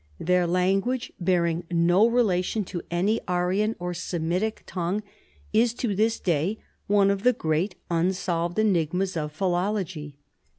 Their language, bearing no relation to any Aryan or Semitic tongue, is to this da}^ one of the great unsolved enigmas of philology.